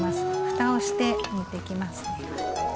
ふたをして煮ていきますね。